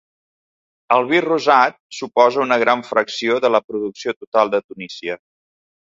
El vi rosat suposa una gran fracció de la producció total de Tunísia.